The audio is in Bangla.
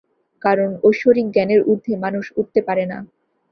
কারণ ঐশ্বরিক জ্ঞানের ঊর্ধ্বে মানুষ উঠতে পারে না।